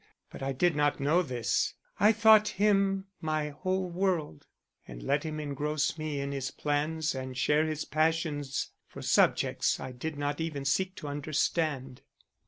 But I did not know this. I thought him my whole world and let him engross me in his plans and share his passions for subjects I did not even seek to understand.